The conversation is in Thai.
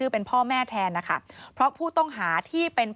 โปรดติดตามต่างกรรมโปรดติดตามต่างกรรม